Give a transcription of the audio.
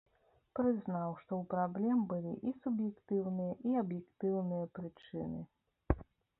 Прызнаў, што ў праблем былі і суб'ектыўныя, і аб'ектыўныя прычыны.